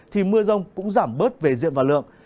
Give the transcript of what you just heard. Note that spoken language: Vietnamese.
thì mưa rông cũng giảm bớt về diện và lượng